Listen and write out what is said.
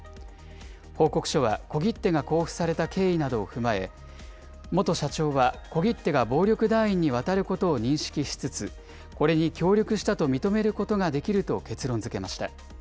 報告書は小切手が交付された経緯などを踏まえ、元社長は小切手が暴力団員に渡ることを認識しつつ、これに協力したと認めることができると結論づけました。